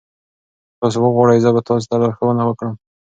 که تاسي وغواړئ زه به تاسي ته لارښوونه وکړم.